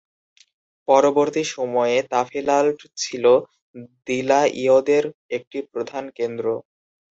পরবর্তী সময়ে, তাফিলাল্ট ছিল দিলা'ইয়দের একটি প্রধান কেন্দ্র।